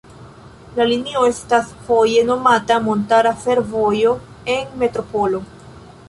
La linio estas foje nomata Montara Fervojo en Metropolo.